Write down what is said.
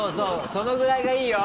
そのぐらいがいいよ。